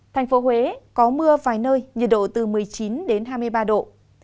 thành phố huế có mưa vài nơi nhiệt độ từ một mươi chín hai mươi bảy độ